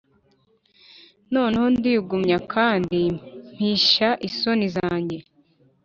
noneho ndigumya kandi mpisha isoni zanjye,